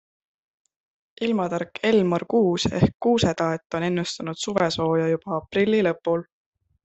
Ilmatark Elmar Kuus ehk Kuuse-taat on ennustanud suvesooja juba aprilli lõpul.